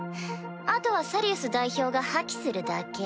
あとはサリウス代表が破棄するだけ。